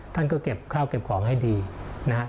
ท่านก็เก็บข้าวเก็บของให้ดีนะฮะ